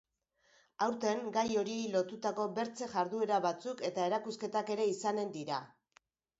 Aurten gai horiei lotutako bertze jarduera batzuk eta erakusketak ere izanen dira.